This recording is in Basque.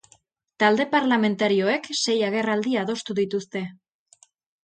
Talde parlamentarioek sei agerraldi adostu dituzte.